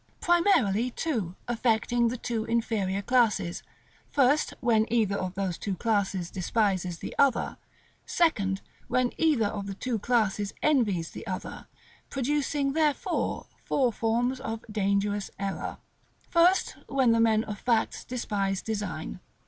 § XLVI. Primarily, two; affecting the two inferior classes: 1st, When either of those two classes Despises the other: 2nd, When either of the two classes Envies the other; producing, therefore, four forms of dangerous error. First, when the men of facts despise design.